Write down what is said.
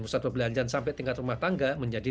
musad pebelanjaan sampai tingkat rumah tangga menjadi